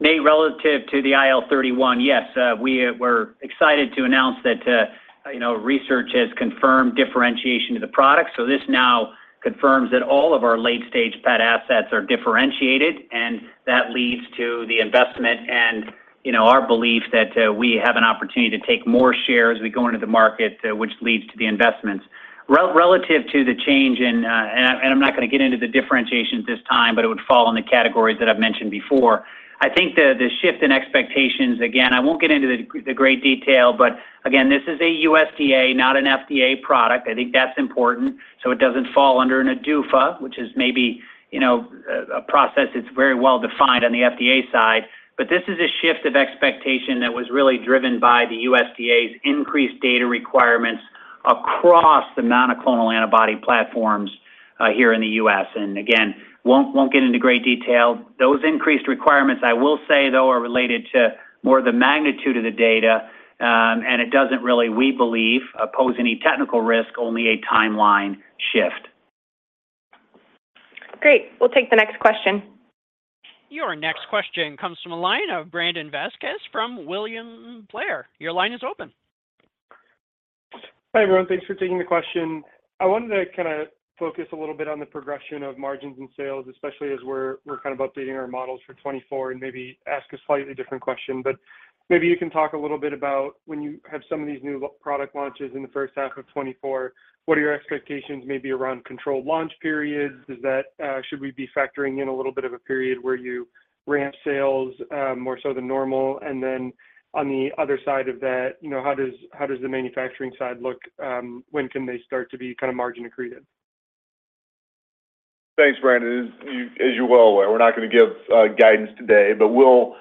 Nate, relative to the IL-31, yes, we, we're excited to announce that, you know, research has confirmed differentiation to the product. So this now confirms that all of our late-stage pet assets are differentiated, and that leads to the investment and, you know, our belief that, we have an opportunity to take more share as we go into the market, which leads to the investments. Relative to the change in... And I'm not going to get into the differentiations this time, but it would fall in the categories that I've mentioned before. I think the, the shift in expectations, again, I won't get into the, the great detail, but again, this is a USDA, not an FDA product. I think that's important, it doesn't fall under an ADUFA, which is maybe, you know, a process that's very well defined on the FDA side. This is a shift of expectation that was really driven by the USDA's increased data requirements across the monoclonal antibody platforms, here in the U.S. Again, won't get into great detail. Those increased requirements, I will say, though, are related to more the magnitude of the data, it doesn't really, we believe, pose any technical risk, only a timeline shift. Great. We'll take the next question. Your next question comes from the line of Brandon Vazquez from William Blair. Your line is open. Hi, everyone. Thanks for taking the question. I wanted to kind of focus a little bit on the progression of margins and sales, especially as we're kind of updating our models for 2024 and maybe ask a slightly different question. Maybe you can talk a little bit about when you have some of these new product launches in the first half of 2024, what are your expectations maybe around controlled launch periods? Is that, should we be factoring in a little bit of a period where you ramp sales more so than normal? Then on the other side of that, you know, how does the manufacturing side look, when can they start to be kind of margin accretive? Thanks, Brandon. As you, as you're well aware, we're not going to give guidance today, but we'll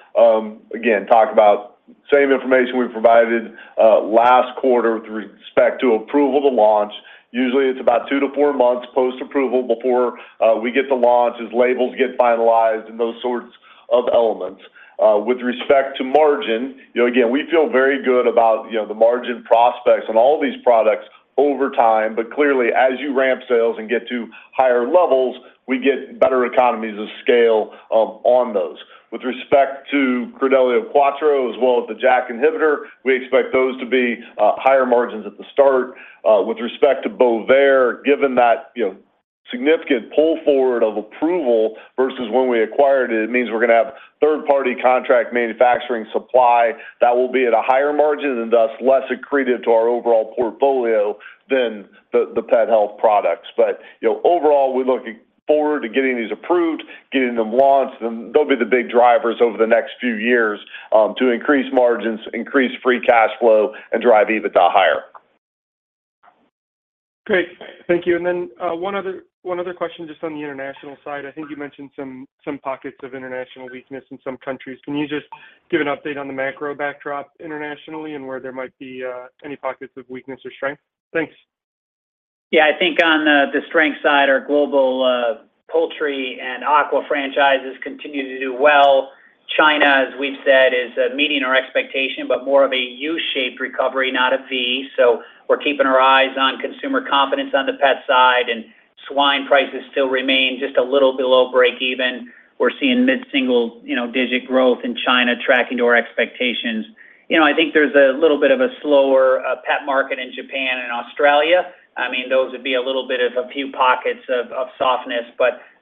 again, talk about same information we provided last quarter with respect to approval to launch. Usually, it's about two to four months post-approval before we get to launch, as labels get finalized and those sorts of elements. With respect to margin, you know, again, we feel very good about, you know, the margin prospects on all these products over time, but clearly, as you ramp sales and get to higher levels, we get better economies of scale on those. With respect to Credelio Quattro, as well as the JAK inhibitor, we expect those to be higher margins at the start. With respect to Bovaer, given that, you know, significant pull forward of approval versus when we acquired it, it means we're going to have third-party contract manufacturing supply that will be at a higher margin and thus, less accretive to our overall portfolio than the, the pet health products. You know, overall, we're looking forward to getting these approved, getting them launched, and they'll be the big drivers over the next few years to increase margins, increase free cash flow, and drive EBITDA higher. Great. Thank you. Then, one other, one other question just on the international side. I think you mentioned some, some pockets of international weakness in some countries. Can you just give an update on the macro backdrop internationally and where there might be any pockets of weakness or strength? Thanks. Yeah, I think on the strength side, our global poultry and aqua franchises continue to do well. China, as we've said, is meeting our expectation, but more of a U-shaped recovery, not a V. We're keeping our eyes on consumer confidence on the pet side, and swine prices still remain just a little below break even. We're seeing mid-single-digit, you know, growth in China, tracking to our expectations. You know, I think there's a little bit of a slower pet market in Japan and Australia. I mean, those would be a little bit of a few pockets of softness.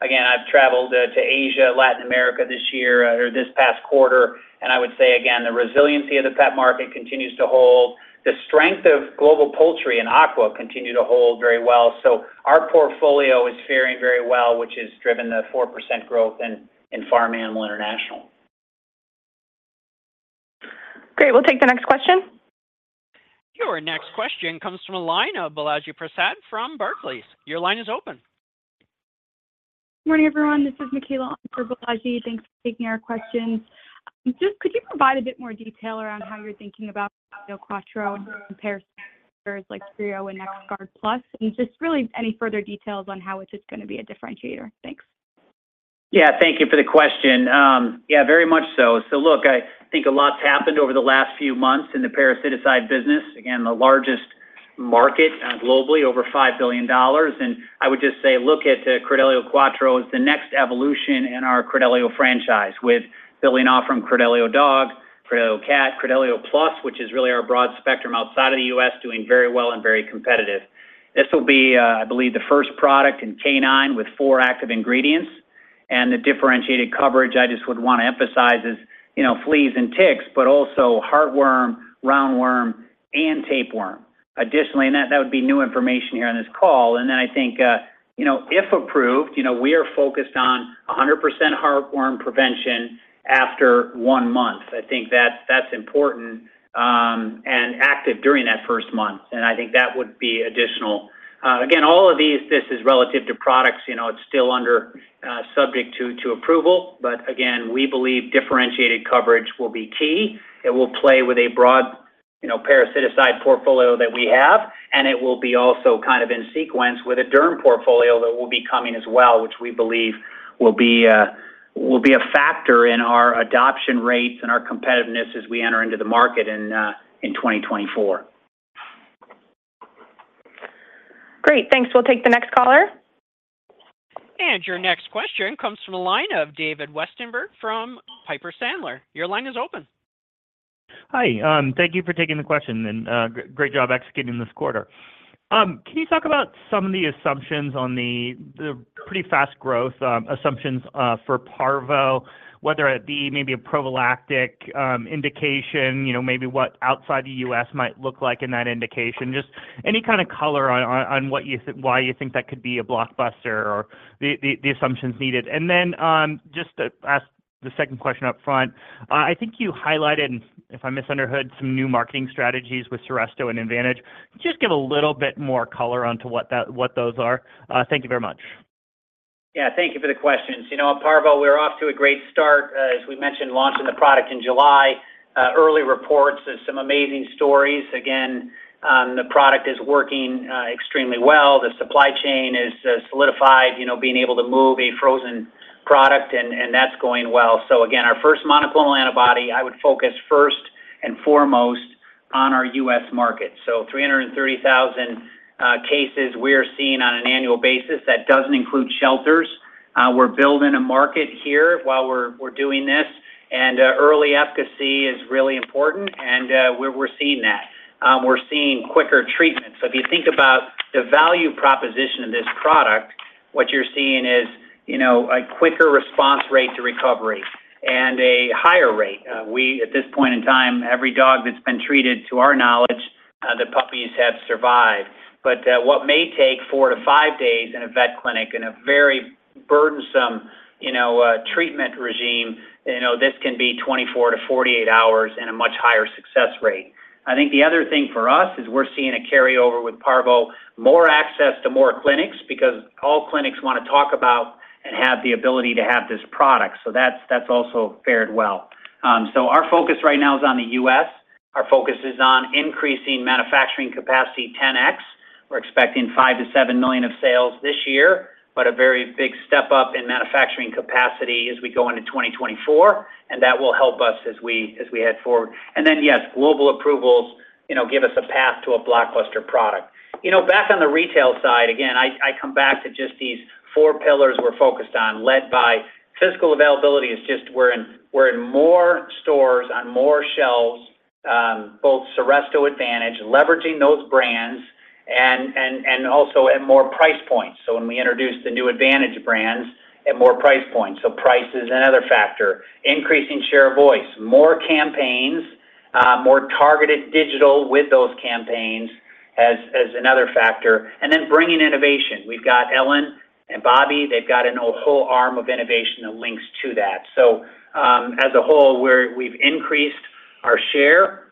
Again, I've traveled to Asia, Latin America this year or this past quarter, and I would say, again, the resiliency of the pet market continues to hold. The strength of global poultry and aqua continue to hold very well. Our portfolio is faring very well, which has driven the 4% growth in International Farm Animal. Great. We'll take the next question. Your next question comes from a line of Balaji Prasad from Barclays. Your line is open. Good morning, everyone. This is Michaela on for Balaji. Thanks for taking our questions. Just could you provide a bit more detail around how you're thinking about the Quattro and compare like Credelio and NexGard PLUS? Just really any further details on how it's just going to be a differentiator. Thanks. Yeah, thank you for the question. Yeah, very much so. Look, I think a lot's happened over the last few months in the parasiticide business. Again, the largest market globally, over $5 billion. I would just say, look at Credelio Quattro as the next evolution in our Credelio franchise, with building off from Credelio Dog, Credelio Cat, Credelio Plus, which is really our broad spectrum outside of the U.S., doing very well and very competitive. This will be, I believe, the first product in canine with four active ingredients. The differentiated coverage I just would want to emphasize is, you know, fleas and ticks, but also heartworm, roundworm, and tapeworm. Additionally, that, that would be new information here on this call. Then I think, you know, if approved, you know, we are focused on 100% heartworm prevention after one month. I think that's, that's important, and active during that first month, and I think that would be additional. Again, all of these, this is relative to products, you know, it's still under subject to approval. Again, we believe differentiated coverage will be key. It will play with a broad, you know, parasiticide portfolio that we have, and it will be also kind of in sequence with a derm portfolio that will be coming as well, which we believe will be a factor in our adoption rates and our competitiveness as we enter into the market in 2024. Great, thanks. We'll take the next caller. Your next question comes from a line of David Westenberg from Piper Sandler. Your line is open. Hi, thank you for taking the question, and great job executing this quarter. Can you talk about some of the assumptions on the pretty fast growth assumptions for Parvo, whether it be maybe a prophylactic indication, you know, maybe what outside the U.S. might look like in that indication? Just any kind of color on what you think, why you think that could be a blockbuster or the assumptions needed. Just to ask the second question up front, I think you highlighted, and if I misunderstood, some new marketing strategies with Seresto and Advantage. Just give a little bit more color on to what that, what those are. Thank you very much. Yeah, thank you for the questions. You know, at Parvo, we're off to a great start. As we mentioned, launching the product in July. Early reports of some amazing stories. Again, the product is working extremely well. The supply chain is solidified, you know, being able to move a frozen product, and that's going well. Again, our first monoclonal antibody, I would focus first and foremost on our U.S. market. 330,000 cases we're seeing on an annual basis, that doesn't include shelters. We're building a market here while we're doing this, and early efficacy is really important, and we're seeing that. We're seeing quicker treatment. If you think about the value proposition of this product, what you're seeing is, you know, a quicker response rate to recovery and a higher rate. We, at this point in time, every dog that's been treated, to our knowledge, the puppies have survived. What may take four to five days in a vet clinic in a very burdensome, you know, treatment regime, you know, this can be 24 to 48 hours and a much higher success rate. I think the other thing for us is we're seeing a carryover with Parvo, more access to more clinics, because all clinics want to talk about and have the ability to have this product. That's, that's also fared well. Our focus right now is on the U.S. Our focus is on increasing manufacturing capacity 10x. We're expecting $5 million-$7 million of sales this year, but a very big step up in manufacturing capacity as we go into 2024, that will help us as we, as we head forward. Then, yes, global approvals, you know, give us a path to a blockbuster product. You know, back on the retail side, again, I, I come back to just these four pillars we're focused on, led by physical availability is just we're in, we're in more stores on more shelves, both Seresto, Advantage, leveraging those brands, and also at more price points. When we introduce the new Advantage brands at more price points, price is another factor. Increasing share of voice, more campaigns, more targeted digital with those campaigns as another factor. Then bringing innovation. We've got Ellen and Bobby, they've got an whole arm of innovation that links to that. As a whole, we've increased our share,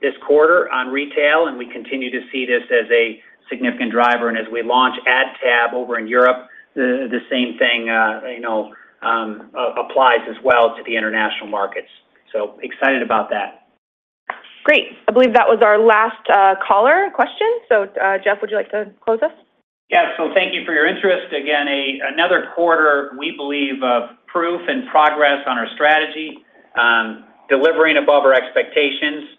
this quarter on retail, and we continue to see this as a significant driver. As we launch AdTab over in Europe, the same thing, you know, applies as well to the international markets. Excited about that. Great. I believe that was our last caller question. Jeff, would you like to close us? Yeah. Thank you for your interest. Again, another quarter, we believe, of proof and progress on our strategy, delivering above our expectations,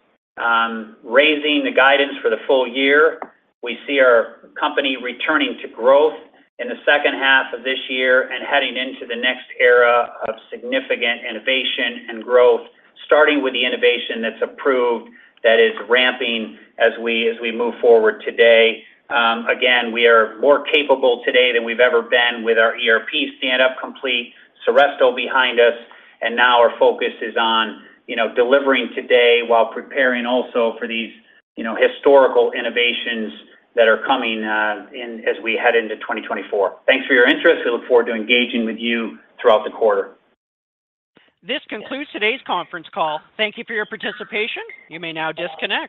raising the guidance for the full year. We see our company returning to growth in the second half of this year and heading into the next era of significant innovation and growth, starting with the innovation that's approved, that is ramping as we, as we move forward today. Again, we are more capable today than we've ever been with our ERP stand-up, complete Seresto behind us, and now our focus is on, you know, delivering today while preparing also for these, you know, historical innovations that are coming in as we head into 2024. Thanks for your interest. We look forward to engaging with you throughout the quarter. This concludes today's conference call. Thank you for your participation. You may now disconnect.